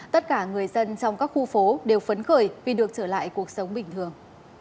tất cả người dân trong các khu phố đều phấn khởi vì được trở lại cuộc sống bình thường